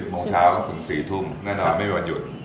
โมงเช้าถึง๔ทุ่มแน่นอนไม่มีวันหยุด